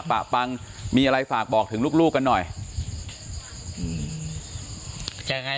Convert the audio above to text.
ปะปังมีอะไรฝากบอกถึงลูกกันหน่อย